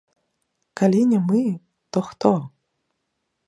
Калі не мы, то хто?